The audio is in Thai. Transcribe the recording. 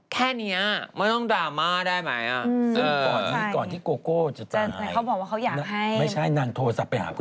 แค่นี้ไม่ต้องดราม่าได้ไหม